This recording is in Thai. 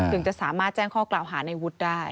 ถึงจะสามารถแจ้งข้อกล่าวหาในวุฒิได้